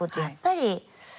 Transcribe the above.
やっぱり。